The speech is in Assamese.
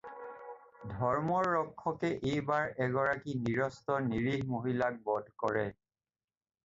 ধৰ্মৰ ৰক্ষকে এইবাৰ এগৰাকী নিৰস্ত্ৰ, নিৰীহ মহিলাক বধ কৰে।